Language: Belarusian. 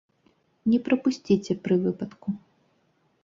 Не прапусціце пры выпадку!